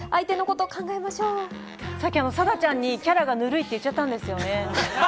貞ちゃんにキャラがぬるいって言っちゃったんですよね。